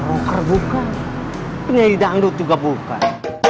roker bukan penyanyi dangdut juga bukan